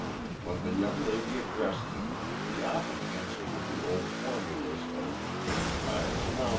When the young lady addressed him he often answered with the old formulas of "I tnum!"